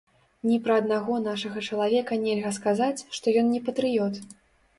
Ні пра аднаго нашага чалавека нельга сказаць, што ён не патрыёт.